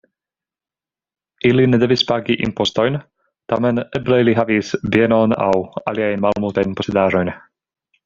Ili ne devis pagi impostojn, tamen eble ili havis bienon aŭ aliajn malmultajn posedaĵojn.